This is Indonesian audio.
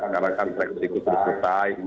karena kan seksikus sudah selesai